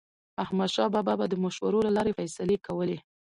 احمدشاه بابا به د مشورو له لارې فیصلې کولې.